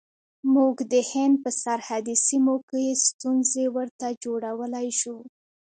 موږ د هند په سرحدي سیمو کې ستونزې ورته جوړولای شو.